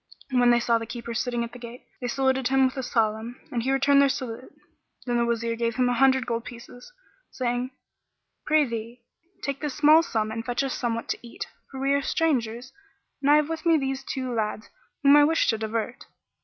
When they saw the keeper sitting at the gate, they saluted him with the Salam and he returned their salute. Then the Wazir gave him an hundred gold pieces, saying, "Prithee, take this small sum and fetch us somewhat to eat; for we are strangers and I have with me these two lads whom I wish to divert."